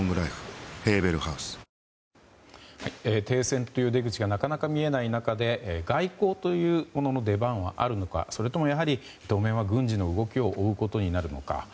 停戦という出口がなかなか見えない中で外交というものの出番はあるのかそれとも、やはり軍事の動きを追うことになるのか。